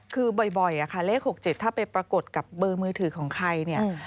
คือบ่อยอะค่ะเลข๖๗ถ้าไปปรากฏกับเบอร์มือถือของใครเนี่ย